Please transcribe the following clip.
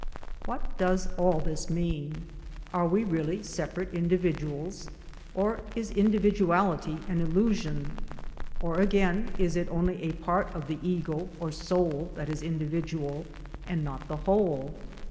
What does all this mean? Are we really separate individuals, or is individuality an illusion, or again is it only a part of the ego or soul that is individual, and not the whole